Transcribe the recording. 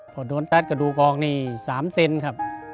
พอโดนตัดกระดูกออกนี่๓เซนครับ